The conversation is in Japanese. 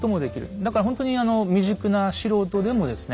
だからほんとに未熟な素人でもですね